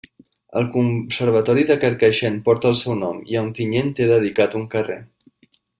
El Conservatori de Carcaixent porta el seu nom, i a Ontinyent té dedicat un carrer.